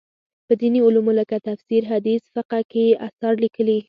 په دیني علومو لکه تفسیر، حدیث، فقه کې یې اثار لیکلي.